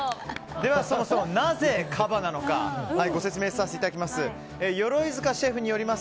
ではそもそもなぜカバなのかご説明させていただきます。